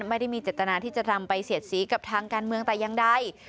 ไม่ได้มีเจตนาที่จะทำไปเสียดสีกับทางการเมืองแต่อย่างใด